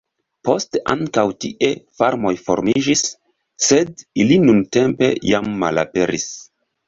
Poste ankaŭ tie farmoj formiĝis, sed ili nuntempe jam malaperis.